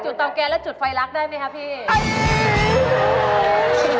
จุดตำแกนและจุดไฟลักษณ์ได้ไหมครับพี่